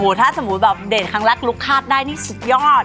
ถ้าสมมุติแบบเดทครั้งแรกลุกคาดได้นี่สุดยอด